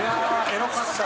エロかった。